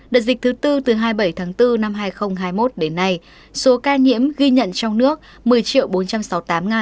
đợt dịch thứ bốn từ hai mươi bảy tháng bốn năm hai nghìn hai mươi một đến nay số ca nhiễm ghi nhận trong nước một mươi bốn trăm sáu mươi tám bảy mươi một ca